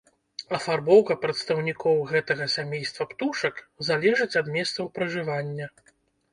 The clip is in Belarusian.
Афарбоўка прадстаўнікоў гэтага сямейства птушак залежыць ад месцаў пражывання.